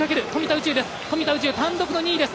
宇宙、単独の２位です。